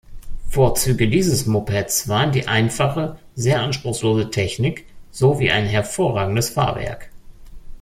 Vorzüge dieses Mopeds waren die einfache, sehr anspruchslose Technik sowie ein hervorragendes Fahrwerk.